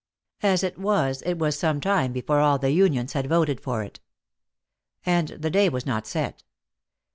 As it was, it was some time before all the unions had voted for it. And the day was not set.